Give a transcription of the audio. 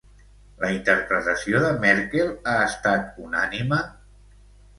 La interpretació de Merkel ha estat unànime?